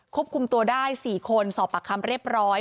ควบคุมตัวได้๔คนสอบปากคำเรียบร้อย